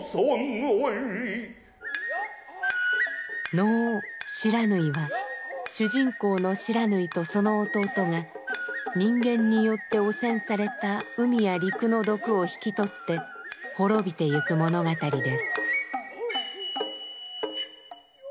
能「不知火」は主人公の不知火とその弟が人間によって汚染された海や陸の毒をひきとって滅びてゆく物語です。